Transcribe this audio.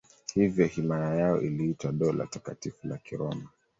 Hivyo himaya yao iliitwa Dola Takatifu la Kiroma.